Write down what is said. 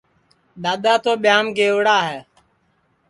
دؔادؔا تو ٻِہِیام گئوڑا ہے